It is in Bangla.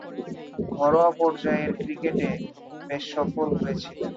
ঘরোয়া পর্যায়ের ক্রিকেটে বেশ সফল হয়েছিলেন।